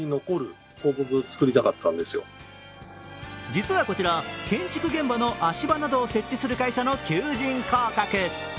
実はこちら、建築現場の足場などを設置する会社の求人広告。